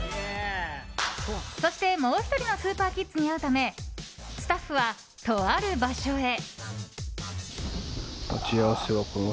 そして、もう１人のスーパーキッズに会うためスタッフは、とある場所へ。